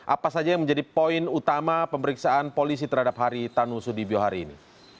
apa saja yang menjadi poin utama pemeriksaan polisi terhadap haritanusudibio hari ini